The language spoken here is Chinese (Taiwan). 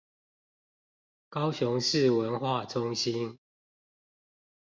高雄市文化中心